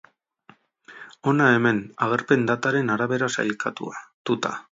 Hona hemen, agerpen dataren arabera sailkatuta.